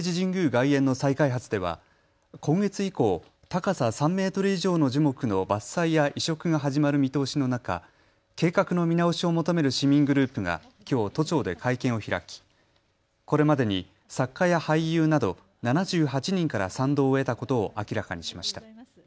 外苑の再開発では今月以降、高さ３メートル以上の樹木の伐採や移植が始まる見通しの中、計画の見直しを求める市民グループがきょう都庁で会見を開きこれまでに作家や俳優など７８人から賛同を得たことを明らかにしました。